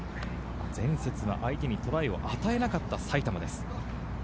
前節は相手にトライを与えなかった埼玉です。